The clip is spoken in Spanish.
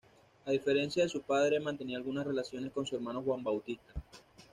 A diferencia de su padre, mantenía algunas relaciones con su hermano Juan Bautista.